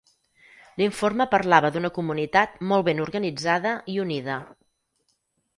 L'informe parlava d'una comunitat molt ben organitzada i unida.